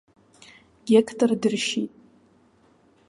Геқтор дыршьит.